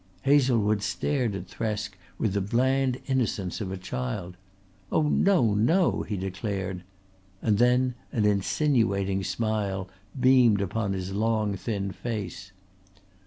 Hazlewood stared at Thresk with the bland innocence of a child. "Oh no, no," he declared, and then an insinuating smile beamed upon his long thin face.